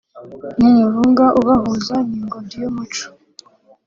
nk‘umurunga ubahuza n‘ingobyi y’umuco